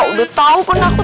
udah tau kok naku